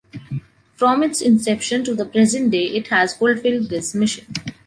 From its inception to the present day it has fulfilled this mission.